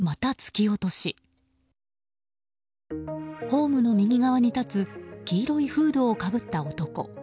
ホームの右側に立つ黄色いフードをかぶった男。